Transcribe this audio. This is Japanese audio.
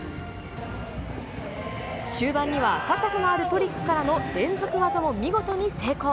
終盤には高さのあるトリックからの連続技を見事に成功。